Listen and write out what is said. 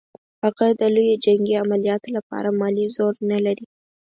هغه د لویو جنګي عملیاتو لپاره مالي زور نه لري.